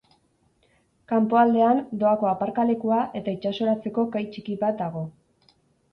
Kanpoaldean doako aparkalekua eta itsasoratzeko kai txiki bat dago.